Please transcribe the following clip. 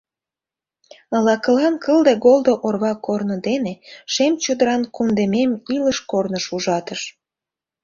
Лакылан кылде-голдо орва корно дене Шем чодыран кундемем илыш корныш ужатыш.